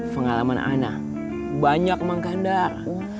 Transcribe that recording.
pengalaman saya banyak mak kandar